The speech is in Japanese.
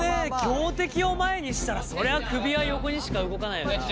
強敵を前にしたらそりゃ首は横にしか動かないな。